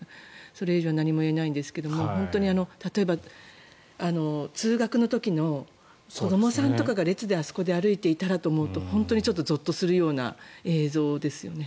それ以上、何も言えないんですが例えば通学の時の子どもさんとかが列で歩いていたらとか思うと本当にゾッとするような映像ですよね。